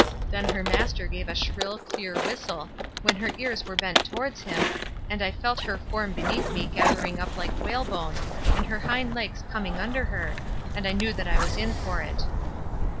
Then her master gave a shrill, clear whistle, when her ears were bent towards him, and I felt her form beneath me gathering up like whalebone, and her hind legs coming under her, and I knew that I was in for it.